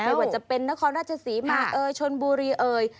ไม่ว่าจะเป็นนครราชศรีมาเอ่ยชนบุรีเอ่ย